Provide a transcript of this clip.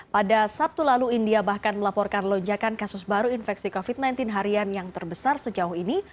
pada sabtu lalu india bahkan melaporkan lonjakan kasus baru infeksi covid sembilan belas harian yang terbesar sejauh ini